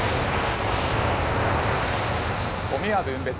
ゴミは分別。